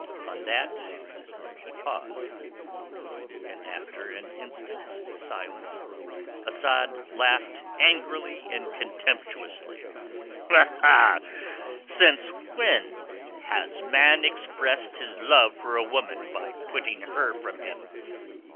On that he paused, and after an instant's silence Asad laughed angrily and contemptuously. "Since when has man expressed his love for a woman by putting her from him?"